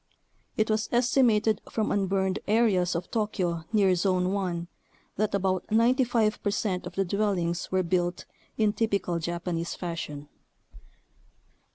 It was estimated from unburned areas of Tokyo near Zone 1 that about 95 per cent of the dwellings were built in "typical Jap anese fashion."